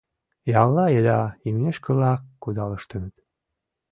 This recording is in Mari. Ялла еда имнешке-влак кудалыштыныт.